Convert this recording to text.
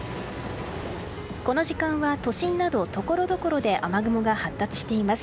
この時間は都心などところどころで雨雲が発達しています。